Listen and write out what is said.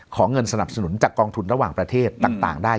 เงินสนับสนุนจากกองทุนระหว่างประเทศต่างได้